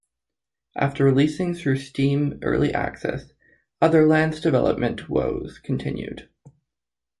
After releasing through Steam Early Access, Otherland's development woes continued.